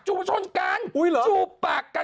จูบมาชนกันจูบปากกัน